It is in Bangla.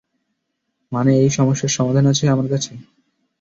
মানে, এই সমস্যার সমাধান আছে আমার কাছে।